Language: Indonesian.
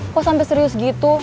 kok sampe serius gitu